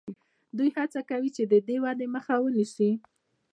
دوی هڅه کوي چې د دې ودې مخه ونیسي.